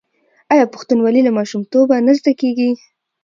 آیا پښتونولي له ماشومتوبه نه زده کیږي؟